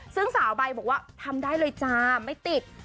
ซึ่งสาวใบบอกว่าทำได้เลยจ้าไม่ติด